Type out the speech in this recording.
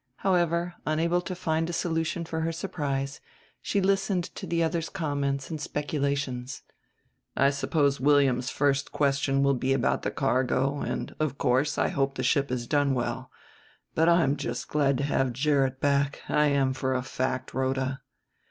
However, unable to find a solution for her surprise, she listened to the other's comments and speculations: "I suppose William's first question will be about the cargo, and, of course, I hope the ship has done well. But I'm just glad to have Gerrit back; I am for a fact, Rhoda."